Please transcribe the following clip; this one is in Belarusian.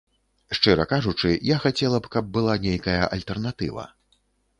Шчыра кажучы, я хацела б, каб была нейкая альтэрнатыва.